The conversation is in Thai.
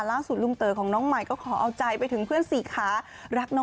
ล่าสุดลุงเต๋อของน้องใหม่ก็ขอเอาใจไปถึงเพื่อนสี่ขารักน้อง